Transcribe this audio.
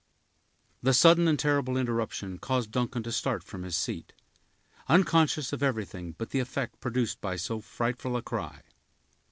The sudden and terrible interruption caused Duncan to start from his seat, unconscious of everything but the effect produced by so frightful a cry.